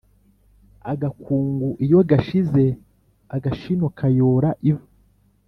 Agakungu iyo gashize agashino kayora ivu.